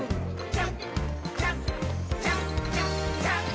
「ジャンプジャンプジャンプジャンプジャンプ」